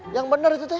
yang bener itu teh